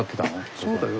そうだよ